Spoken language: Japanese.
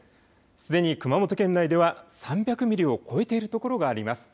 すでに熊本県内では３００ミリを超えているところがあります。